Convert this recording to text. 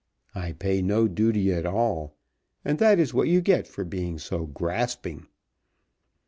I pay no duty at all, and that is what you get for being so grasping."